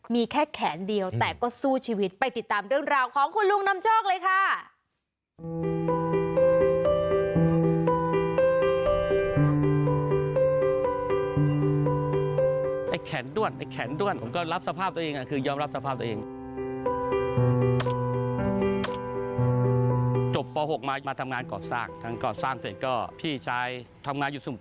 มีแค่แขนเดียวแต่ก็สู้ชีวิตไปติดตามเรื่องราวของคุณลุงนำโชคเลยค่ะ